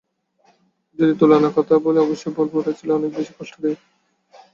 যদি তুলনার কথা বলি, অবশ্যই বলব ওটা ছিল অনেক বেশি কষ্টদায়ক।